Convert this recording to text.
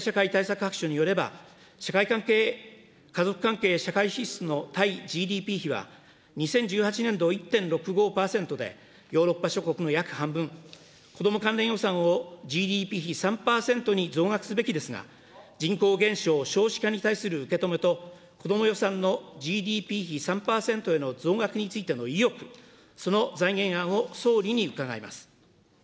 白書によれば、社会関係、家族関係社会支出の対ＧＤＰ比は、２０１８年度１．６５％で、ヨーロッパ諸国の約半分、子ども関連予算をＧＤＰ比３％に増額すべきですが、人口減少・少子化に対する受け止めと、子ども予算のＧＤＰ比３％への増額についての意欲、その財源案を総理に伺います。